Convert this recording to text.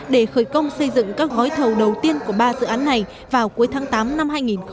để khởi công xây dựng các gói thầu đầu tiên của ba dự án này vào cuối tháng tám năm hai nghìn hai mươi